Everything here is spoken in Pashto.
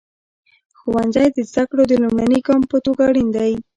ښوونځی د زده کړو د لومړني ګام په توګه اړین دی.